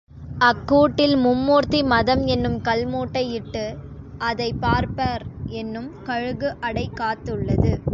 அக்கூட்டில் மும்மூர்த்தி மதம் என்னும் கல்முட்டை இட்டு, அதைப் பார்ப்பார் என்னும் கழுகு அடை காத்துள்ளது.